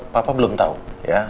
papa belum tau ya